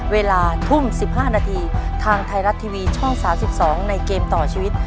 เวลาทุ่ม๑๕นาทีทางไทยรัฐทีวีช่อง๓๒ในเกมต่อชีวิต